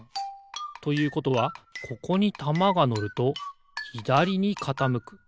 ということはここにたまがのるとひだりにかたむく。